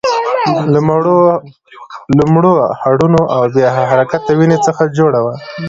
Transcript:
له مړو هډونو او بې حرکته وينې څخه جوړه وه.